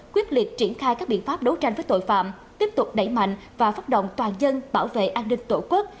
quyết liệt triển khai các biện pháp đấu tranh với tội phạm tiếp tục đẩy mạnh và phát động toàn dân bảo vệ an ninh tổ quốc